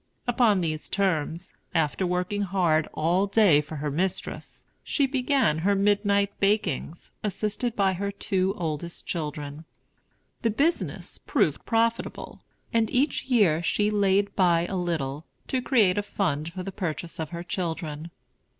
Upon these terms, after working hard all day for her mistress, she began her midnight bakings, assisted by her two oldest children. The business proved profitable; and each year she laid by a little, to create a fund for the purchase of her children.